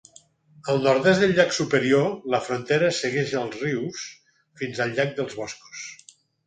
Al nord-oest del llac Superior la frontera segueix els rius fins al llac dels Boscos.